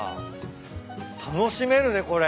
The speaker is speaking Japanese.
楽しめるねこれ。